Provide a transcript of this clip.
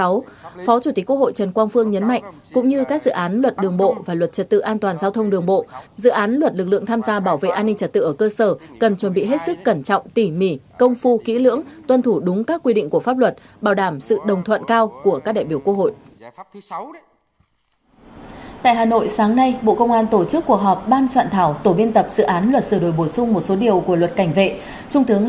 phó chủ tịch quốc hội trần quang phương nhấn mạnh cũng như các dự án luật đường bộ và luật trật tự an toàn giao thông đường bộ dự án luật lực lượng tham gia bảo vệ an ninh trật tự ở cơ sở cần chuẩn bị hết sức cẩn trọng tỉ mỉ công phu kỹ lưỡng tuân thủ đúng các quy định của pháp luật bảo đảm sự đồng thuận cao của các đại biểu quốc hội